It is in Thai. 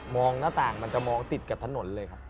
หน้าต่างมันจะมองติดกับถนนเลยครับ